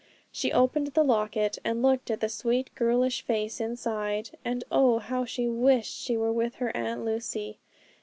She opened the locket, and looked at the sweet, girlish face inside and oh, how she wished she were with her Aunt Lucy.